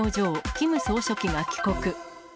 キム総書記が帰国。